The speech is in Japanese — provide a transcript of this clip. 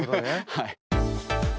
はい。